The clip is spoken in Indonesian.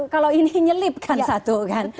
kalau ini nyelip kan satu kan